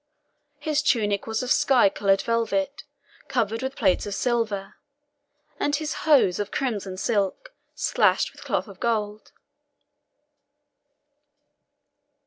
His tunic was of sky coloured velvet, covered with plates of silver, and his hose of crimson silk, slashed with cloth of gold.